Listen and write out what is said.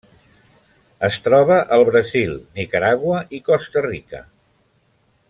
Es troba al Brasil, Nicaragua i Costa Rica.